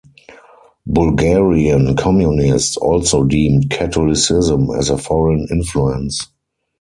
Bulgarian communists also deemed Catholicism a foreign influence.